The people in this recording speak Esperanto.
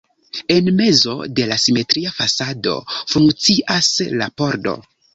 En mezo de la simetria fasado funkcias la pordo.